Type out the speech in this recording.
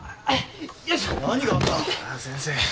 ああ先生。